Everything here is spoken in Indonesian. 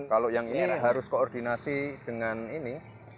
kalau yang ini harus koordinasi dengan ini